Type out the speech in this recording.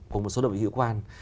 cùng một số đội dự quan